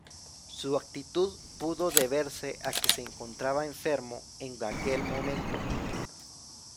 Su actitud pudo deberse a que se encontraba enfermo en aquel momento.